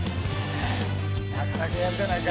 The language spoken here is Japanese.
なかなかやるじゃないか。